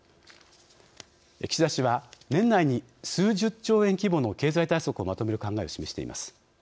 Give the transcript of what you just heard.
岸田氏は、年内に数十兆円規模の経済対策をまとめる考えを示しています。